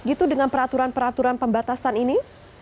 gitu dengan peraturan peraturan pembatasan ini